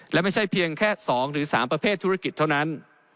และไม่ใช่เพียงแค่๒หรือ๓ประเภทธุรกิจเท่านั้น